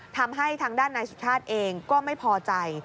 ทำให้ทางด้านนายสุชาติเองก็ไม่พอใจ